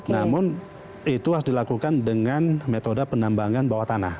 namun itu harus dilakukan dengan metode penambangan bawah tanah